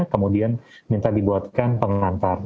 kemudian minta dibuatkan pengantar